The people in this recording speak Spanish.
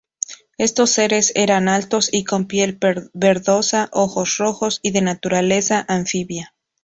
Estos seres eran altos y con piel verdosa, ojos rojos y de naturaleza anfibia.